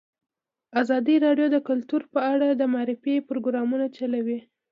ازادي راډیو د کلتور په اړه د معارفې پروګرامونه چلولي.